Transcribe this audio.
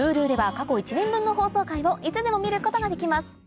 Ｈｕｌｕでは過去１年分の放送回をいつでも見ることができます